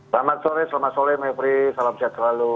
selamat sore selamat sore mbak ibrie salam sehat selalu